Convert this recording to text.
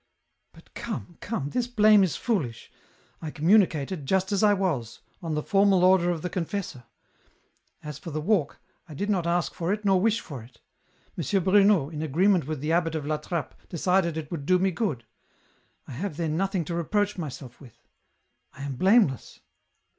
" But come, come, this blame is foolish. I communicated, just as I was, on the formal order of the confessor ; as for the walk, I did not ask for it nor wish for it. M. Bruno, in agreement with the abbot of La Trappe, decided it would do me good ; I have then nothing to reproach myself with ; I am blameless.